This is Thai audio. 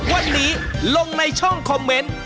วันนี้ลงในช่องคอมเมนต์